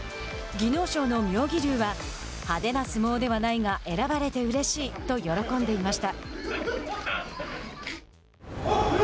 技能賞の妙義龍は派手な相撲ではないが選ばれてうれしいと喜んでいました。